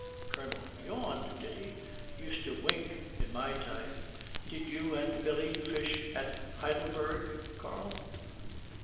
COLONEL. 'Yawned, did he? Used to wink in my time. Did you and Billy fish at Heidelberg, Karl?'